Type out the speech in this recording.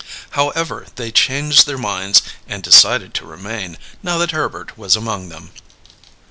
However, they changed their minds and decided to remain, now that Herbert was among them.